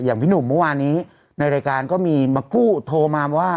อย่างพี่หนุ่มเมื่อวานนี้ในรายการก็มีมากู้โทรมาว่า